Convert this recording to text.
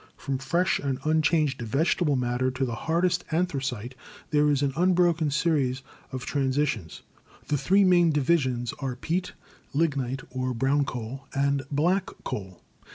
From fresh and unchanged vegetable matter to the hardest anthracite there is an unbroken series of transitions. The three main divisions are peat, lignite or brown coal, and black coal.